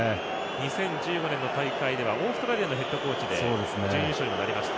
２０１５年の大会ではオーストラリアのヘッドコーチで準優勝にもなりました。